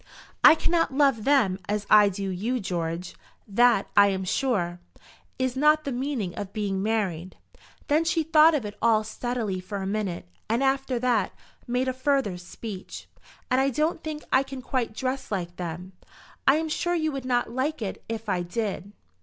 "I cannot love them as I do you, George. That, I am sure, is not the meaning of being married." Then she thought of it all steadily for a minute, and after that, made a further speech. "And I don't think I can quite dress like them. I'm sure you would not like it if I did."